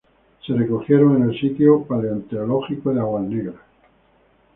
Se recogieron en el Sitio Paleontológico de Água Negra.